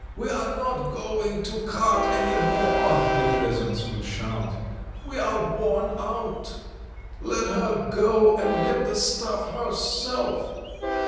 "We are not going to cart any more," the peasants would shout. "We are worn out! Let her go and get the stuff herself."